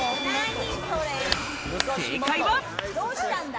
正解は。